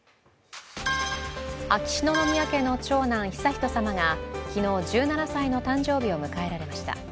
秋篠宮家の長男、悠仁さまが昨日、１７歳の誕生日を迎えられました。